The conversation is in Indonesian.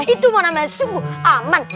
itu mau namanya sungguh aman